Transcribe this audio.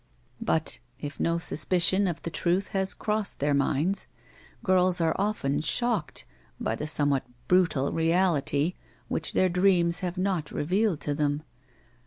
But, if no suspicion of the truth has crossed their minds, girls are often shocked by the somewhat brutal reality which their dreams have not revealed to them.